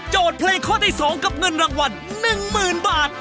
เพลงข้อที่๒กับเงินรางวัล๑๐๐๐บาท